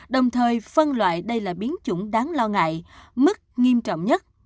đồng thời phân loại đây là biến chủng đáng lo ngại mức nghiêm trọng nhất